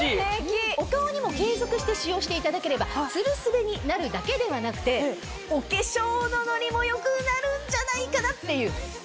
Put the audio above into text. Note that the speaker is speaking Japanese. お顔にも継続して使用していただければツルスベになるだけではなくてお化粧のノリも良くなるんじゃないかなっていう。